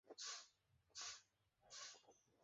একটি পুরুষ ময়ূর আর দুইটি মহিলা ময়ূর।